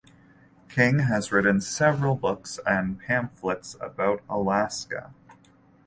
King has written several books and pamphlets about Alaska.